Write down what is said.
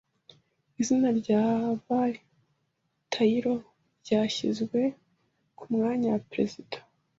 Izina rya Barry Taylor ryashyizwe ku mwanya wa perezida.